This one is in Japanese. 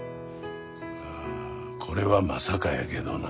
まあこれはまさかやけどな。